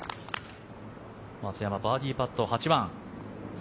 松山、バーディーパット８番。